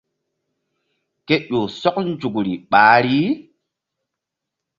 Ke ƴo sɔk nzukri ɓahri.